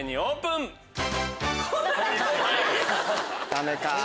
ダメか。